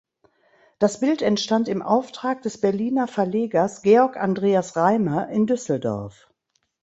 Das Bild entstand im Auftrag des Berliner Verlegers Georg Andreas Reimer in Düsseldorf.